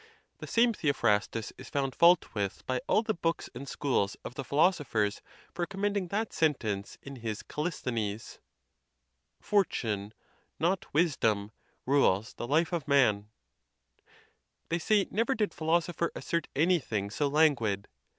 The same Theophrastus is found. fault with by all the books and schools of the philos ophers for commending that sentence in his Callisthenes, Fortune, not wisdom, rules the life of man. WHETHER VIRTUE ALONE BE SUFFICIENT. 173 They say never did philosopher assert anything so lan guid.